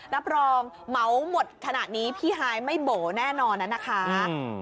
รับรองเหมาหมดขนาดนี้พี่ฮายไม่โบ๋แน่นอนนะคะ